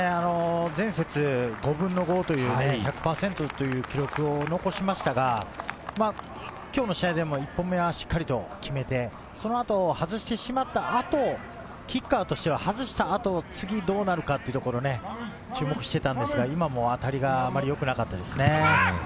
前節、５分の５という１００パーセントという記録を残しましたが、今日の試合でも１本目はしっかりと決めて、そのあと外してしまった後、キッカーとしては外した後、次どうなるかというところに注目していたんですが、今も当たりがあまりよくなかったですね。